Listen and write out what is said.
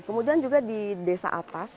kemudian juga di desa atas